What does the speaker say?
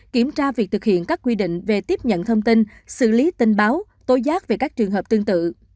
kiểm tra việc thực hiện các quy định về tiếp nhận thông tin xử lý tin báo tố giác về các trường hợp tương tự